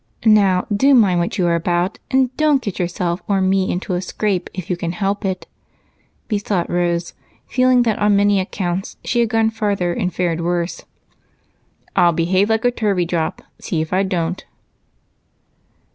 Now, do mind what you are about and don't get yourself or me into a scrape if you can help it," besought Rose, feeling that on many accounts she had gone further and fared worse. "I'll behave like a Turveydrop see if I don't."